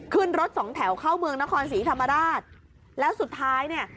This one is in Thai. ขึ้นรถสองแถวเข้าเมืองนครศรีธรรมราชแล้วสุดท้ายเนี่ย